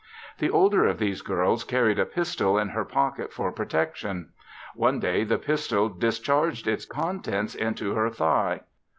The older of these girls carried a pistol in her pocket for protection. One day the pistol discharged its contents into her thigh.